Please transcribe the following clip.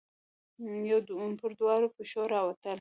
پر دواړو پښو راوتړل